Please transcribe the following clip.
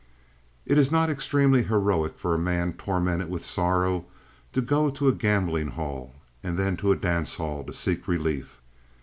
It is not extremely heroic for a man tormented with sorrow to go to a gambling hall and then to a dance hall to seek relief.